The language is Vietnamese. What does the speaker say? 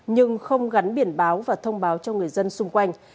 nhưng không gắn biển báo và thông báo cho người dân xung quanh